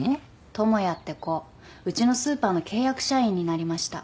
智也って子うちのスーパーの契約社員になりました。